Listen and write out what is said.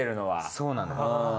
そうなのよ。